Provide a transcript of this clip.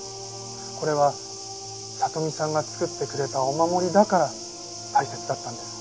これは里美さんが作ってくれたお守りだから大切だったんです。